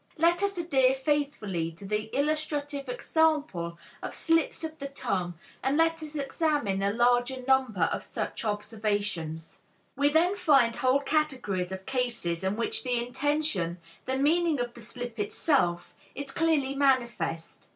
Let us adhere faithfully to the illustrative example of slips of the tongue and let us examine a larger number of such observations. We then find whole categories of cases in which the intention, the meaning of the slip itself, is clearly manifest.